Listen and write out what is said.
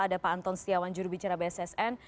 ada pak anton setiawan jurubicara bssn